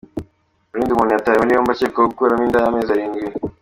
Rulindo umuntu Yatawe muri yombi akekwaho gukuramo inda y’amezi arindwi